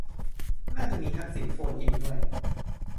น่าจะมีทักษิณโฟนอินด้วย